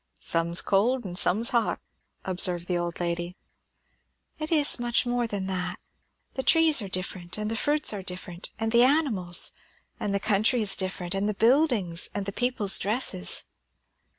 "Some's cold, and some's hot," observed the old lady. "It is much more than that. The trees are different, and the fruits are different; and the animals; and the country is different, and the buildings, and the people's dresses."